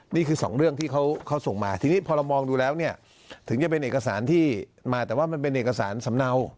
นี่คือสองเรื่องที่เขาส่งมาทีนี้พอเรามองดูแล้วเนี่ยถึงจะเป็นเอกสารที่มาแต่ว่ามันเป็นเอกสารสำเนา